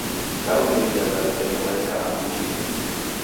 Darumiriagha w'eke malaika angu milimu.